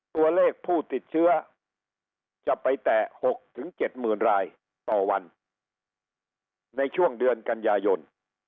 ตัวเลขผู้ติดเชื้อจะไปแต่๖๗๐๐รายต่อวันในช่วงเดือนกันยายน